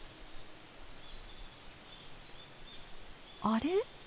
あれ？